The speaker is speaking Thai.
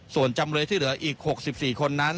ส่วนจำเลยที่เหลืออีก๖๔คนนั้น